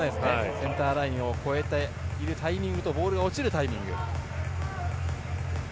センターラインを越えるタイミングとボールが落ちるタイミング。